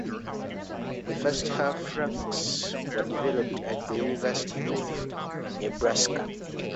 The first half racks were developed at the University of Nebraska.